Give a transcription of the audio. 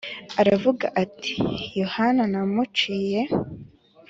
aravuga ati Yohana namuciye